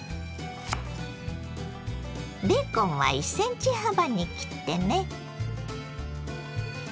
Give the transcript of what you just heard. ベーコンは１ｃｍ幅に切ってね。